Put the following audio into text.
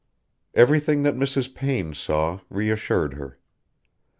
Everything that Mrs. Payne saw reassured her.